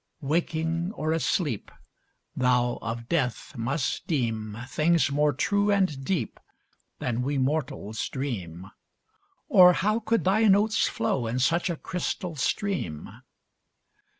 Waking or asleep, Thou of death must deem Things more true and deep Than we mortals dream, Or how could thy notes flow in such a crystal stream?